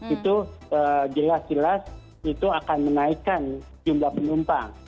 itu jelas jelas itu akan menaikkan jumlah penumpang